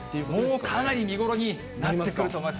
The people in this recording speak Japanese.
もうかなり見頃になってくると思います。